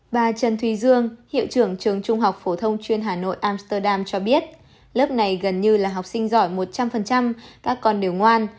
bà trần thùy dương hiệu trưởng trường trung học phổ thông chuyên hà nội amsterdam cho biết lớp này gần như là học sinh giỏi một trăm linh các con đều ngoan